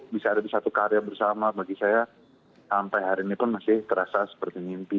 bisa ada di satu karya bersama bagi saya sampai hari ini pun masih terasa seperti mimpi